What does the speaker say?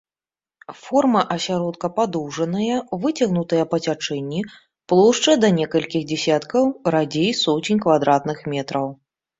Форма асяродка падоўжаная, выцягнутая па цячэнні, плошча да некалькіх дзесяткаў, радзей соцень квадратных метраў.